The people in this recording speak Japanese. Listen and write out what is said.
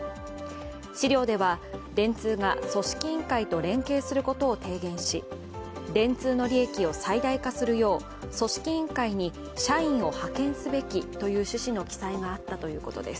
資料では電通が組織委員会と連携することを提言し電通の利益を最大化するよう組織委員会に社員を派遣すべきという趣旨の記載があったということです。